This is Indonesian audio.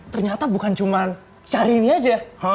ternyata bukan cuman syahrini aja